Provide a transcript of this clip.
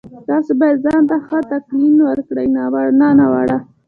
تاسې بايد ځان ته ښه تلقين وکړئ نه ناوړه.